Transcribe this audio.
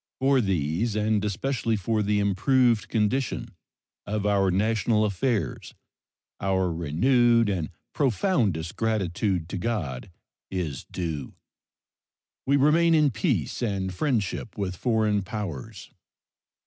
For these, and especially for the improved condition of our national affairs, our renewed and profoundest gratitude to God is due. We remain in peace and friendship with foreign powers.